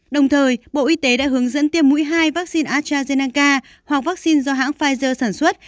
đồng thời bộ y tế đã hướng dẫn tiêm mũi hai vaccine astrazeneca hoặc vaccine do hãng pfizer sản xuất